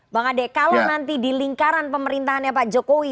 bang ade kalau nanti di lingkaran pemerintahannya pak jokowi